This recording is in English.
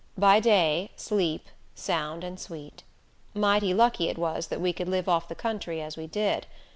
By day, sleep, sound and sweet. Mighty lucky it was that we could live off the country as we did.